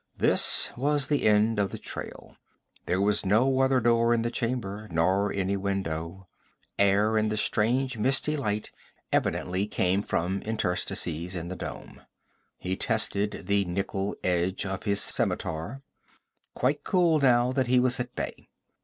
This was the end of the trail. There was no other door in the chamber, nor any window. Air, and the strange misty light, evidently came from interstices in the dome. He tested the nickel edge of his scimitar, quite cool now that he was at bay.